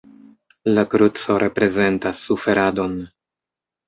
La kruco reprezentas suferadon.